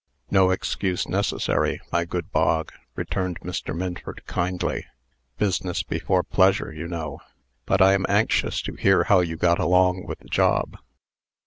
"No excuse necessary, my good Bog," returned Mr. Minford, kindly. "Business before pleasure, you know. But I am anxious to hear how you got along with the job."